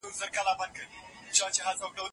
ایا څېړونکی باید د متن کره کتنه وکړي؟